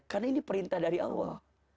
karena ini perintah dari allah